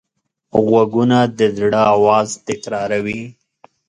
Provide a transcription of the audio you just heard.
غوږونه د زړه آواز تکراروي